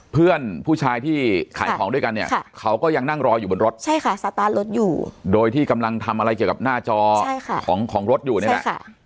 เพื่อนผู้ชายที่ขายของด้วยกันเนี่ยเขาก็ยังนั่งรออยู่บนรถใช่ค่ะสตาร์ทรถอยู่โดยที่กำลังทำอะไรเกี่ยวกับหน้าจอของของรถอยู่นี่แหละ